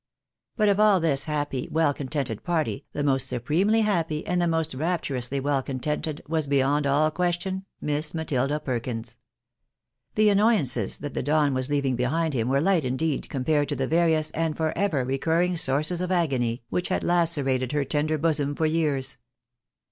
But of all this happy, well contented party, the most supremely liappy, and the most rapturously well contented was beyond all ques tion Miss Matilda Perkins. The annoyances that the Don was leaving behind him were light indeed compared to the various and for ever recurring sources of agony which had lacerated her tender bosom for years.